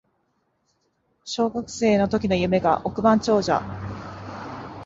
小学生の時の夢が億万長者